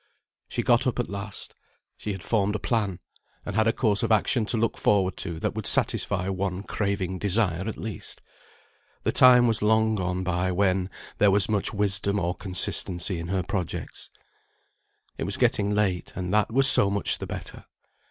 She got up at last. She had formed a plan, and had a course of action to look forward to that would satisfy one craving desire at least. The time was long gone by when there was much wisdom or consistency in her projects. It was getting late, and that was so much the better.